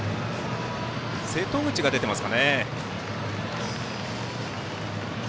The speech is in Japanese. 瀬戸口が出ています。